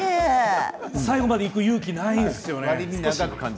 最後までいく勇気がないんですよね。